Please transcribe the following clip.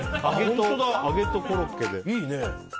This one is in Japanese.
揚げとコロッケで。